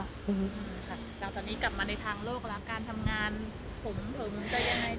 แล้วตอนนี้กลับมาในทางโลกแล้วการทำงานผมถึงจะยังไง